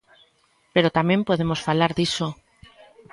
Pero tamén podemos falar diso.